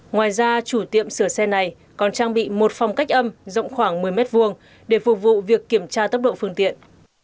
ngoài ra chủ tiệm sửa xe này còn trang bị một phòng cách âm rộng khoảng một mươi m hai để phục vụ việc kiểm tra tốc độ phương tiện